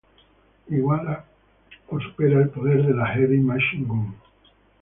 Iguala o supera al poder de la Heavy Machine Gun.